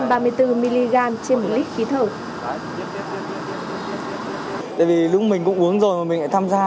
tại vì lúc mình cũng uống rồi mà mình lại tham gia